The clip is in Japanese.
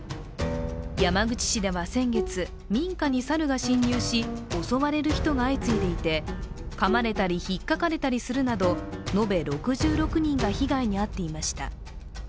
山口市では先月、民家に猿が侵入し襲われる人が相次いでいて、かまれたり、ひっかかれたりするなど、延べ６６人が被害に遭っていました。